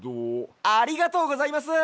ありがとうございます。